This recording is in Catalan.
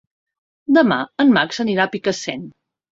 Demà en Max anirà a Picassent.